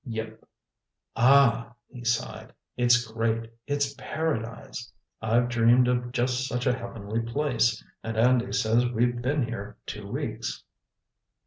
"Yep." "Ah!" he sighed. "It's great! It's Paradise. I've dreamed of just such a heavenly place. And Andy says we've been here two weeks."